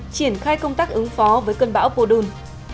triển khai công tác ứng phó với cơn bão bồ đùn